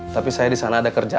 tapi saya di sana ada kerja